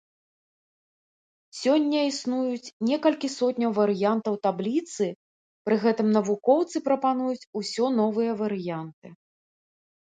Сёння існуюць некалькі сотняў варыянтаў табліцы, пры гэтым навукоўцы прапануюць усё новыя варыянты.